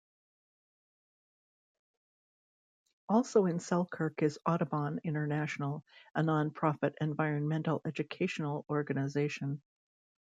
Also in Selkirk is Audubon International, a non-profit environmental educational organization.